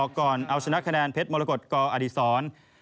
ก่อนเอาชนะคะแนนเพชรมรกฏกอดีศร